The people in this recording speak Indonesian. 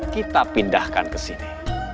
kita pindahkan ke sini